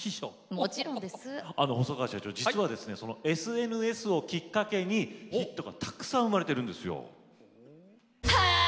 実はＳＮＳをきっかけにヒットがたくさん生まれてるんですよ。